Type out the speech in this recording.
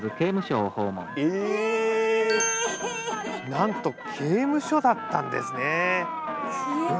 なんと刑務所だったんですね。